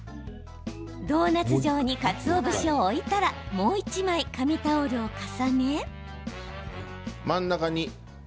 ドーナツ状にかつお節を置いたらもう１枚、紙タオルを重ね。